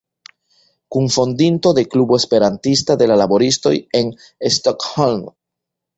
Kunfondinto de Klubo Esperantista de la laboristoj en Stockholm.